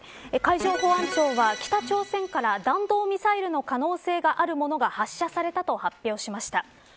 海上保安庁は、北朝鮮から弾道ミサイルの可能性があるものが発射されたと発表しました。